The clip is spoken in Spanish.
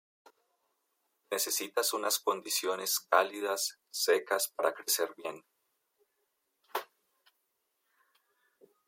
Necesita unas condiciones cálidas, secas para crecer bien.